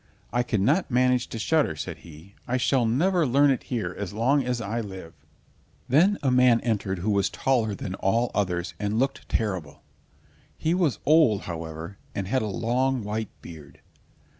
"I cannot manage to shudder," said he. "I shall never learn it here as long as I live." Then a man entered who was taller than all others, and looked terrible. He was old, however, and had a long white beard.